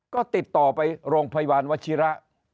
ก็ติดต่อไปโรงพยาบาลวชิระ